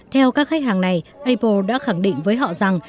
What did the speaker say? theo các khách hàng này apple đã khẳng định với họ rằng